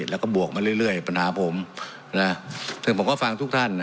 แล้วก็บวกมันเรื่อยเร่วปัญหาผมจึงผมก็ฟังทุกท่าน